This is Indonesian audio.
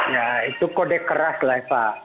ya itu kode keras lah ya pak